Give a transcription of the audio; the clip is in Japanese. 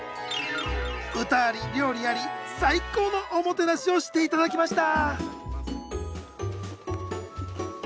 歌あり料理あり最高のおもてなしをしていただきました！